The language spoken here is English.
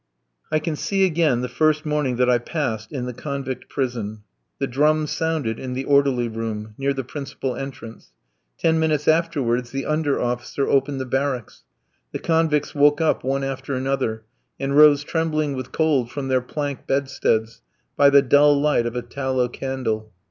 I can see again the first morning that I passed in the convict prison. The drum sounded in the orderly room, near the principal entrance. Ten minutes afterwards the under officer opened the barracks. The convicts woke up one after another and rose trembling with cold from their plank bedsteads, by the dull light of a tallow candle.